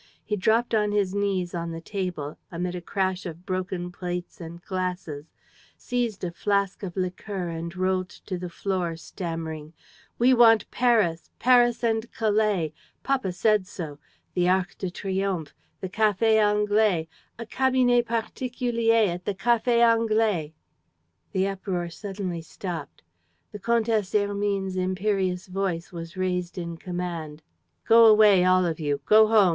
He dropped on his knees on the table, amid a crash of broken plates and glasses, seized a flask of liqueur and rolled to the floor, stammering: "We want Paris. ... Paris and Calais. ... Papa said so. ... The Arc de Triomphe! ... The Café Anglais! ... A cabinet particulier at the Café Anglais! ..." The uproar suddenly stopped. The Comtesse Hermine's imperious voice was raised in command: "Go away, all of you! Go home!